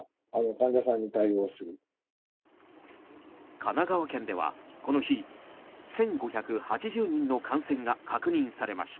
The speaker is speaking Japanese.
神奈川県ではこの日１５８０人の感染が確認されました。